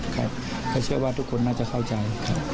ครับเขาเชื่อว่าทุกคนน่าจะเข้าใจ